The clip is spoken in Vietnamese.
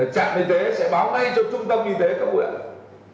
trạm y tế sẽ báo ngay cho trung tâm y tế các bộ y tế